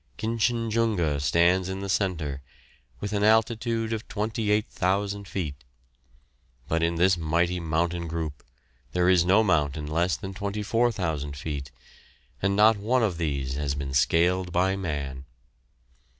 "Kinchin Junga" stands in the centre, with an altitude of 28,000 feet, but in this mighty mountain group there is no mountain less than 24,000 feet, and not one of these has been scaled by man.